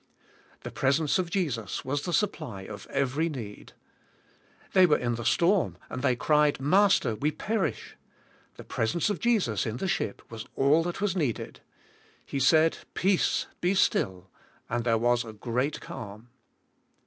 The presence of Jesus was the supply of every need. They were in the storm and they cried, "Master, we perish." The presence of Jesus in the ship was all that was needed. He said, "Peace, be still," and there was a great calm.